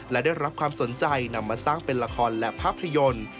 และได้รับความสนใจนำมาสร้างเป็นละครและภาพยนตร์